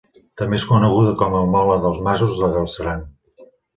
També és coneguda com a Mola dels masos de Galzeran.